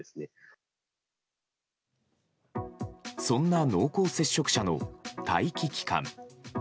そんな濃厚接触者の待機期間。